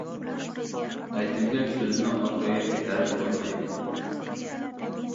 • Aytilgan so‘zni orqaga qytarib bo‘lmaydi.